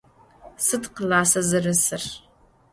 Sıd klassa zerısır?